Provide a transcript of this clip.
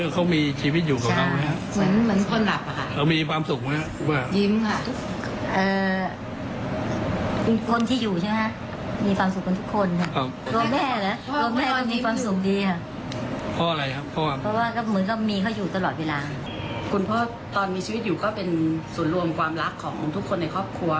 คุณพ่อตอนมีชีวิตอยู่ก็เป็นศูนย์รวมความรักของทุกคนในครอบครัว